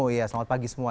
iya selamat pagi semua